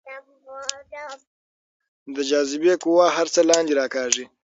د جاذبې قوه هر څه لاندې راکاږي.